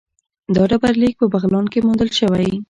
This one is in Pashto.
دا ډبرلیک په بغلان کې موندل شوی